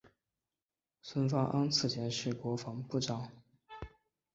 孙芳安此前是国防部长幕僚长。